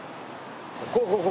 ここここ。